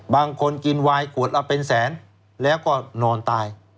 บางคนกินวายขวดละเป็นแสนแล้วก็นอนตาย